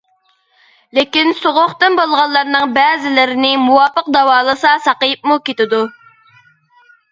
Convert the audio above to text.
لېكىن سوغۇقتىن بولغانلارنىڭ بەزىلىرىنى مۇۋاپىق داۋالىسا ساقىيىپمۇ كېتىدۇ.